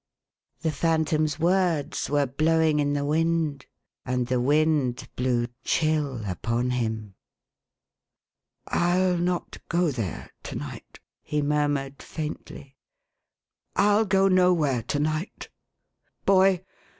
The Phantom's words were blowing in the wind, and the wind blew chill upon him. " Til not go there, to night," he murmured faintly. " Til go nowhere to night. Boy